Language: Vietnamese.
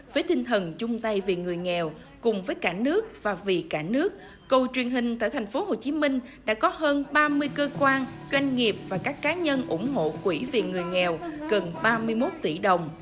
với tinh thần chung tay vì người nghèo cùng với cả nước và vì cả nước cầu truyền hình tại thành phố hồ chí minh đã có hơn ba mươi cơ quan doanh nghiệp và các cá nhân ủng hộ quỹ về người nghèo gần ba mươi một tỷ đồng